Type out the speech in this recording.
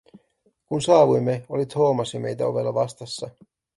Kun saavuimme, oli Thomas jo meitä ovella vastassa.